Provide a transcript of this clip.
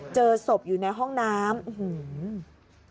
เจอศพอยู่ในห้องน้ำอื้อหือ